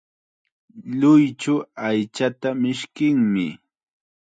Lluychu aychata mishkinmi.